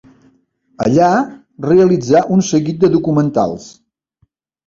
Allà realitzà un seguit de documentals.